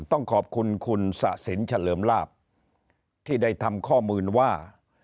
ต้องขอบคุณคุณสะสินเฉลิมลาบที่ได้ทำข้อมูลว่า